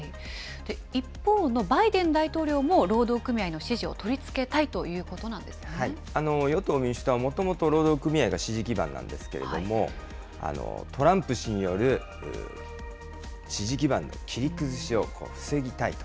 一方のバイデン大統領も労働組合の支持を取り付けたいという与党・民主党はもともと労働組合が支持基盤なんですけれども、トランプ氏による支持基盤の切り崩しを防ぎたいと。